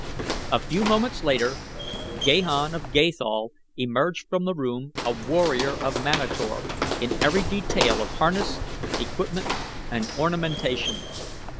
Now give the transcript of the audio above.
A few moments later Gahan of Gathol emerged from the room a warrior of Manator in every detail of harness, equipment, and ornamentation.